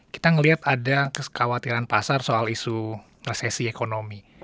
kita melihat ada kekhawatiran pasar soal isu resesi ekonomi